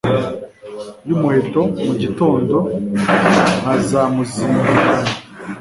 y' umuhetoMu gitondo nkazawuzindukana.